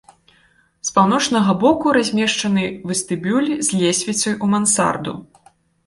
З паўночнага боку размешчаны вестыбюль з лесвіцай у мансарду.